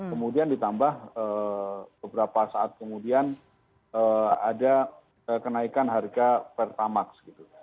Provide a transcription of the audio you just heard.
kemudian ditambah beberapa saat kemudian ada kenaikan harga pertamax gitu